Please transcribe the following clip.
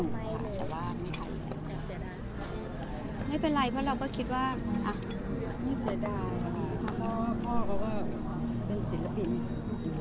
ไม่ต้องมีไม่ต้องมีอะไรค่ะเขาก็คือแบบยอดของทางของเราเนี่ย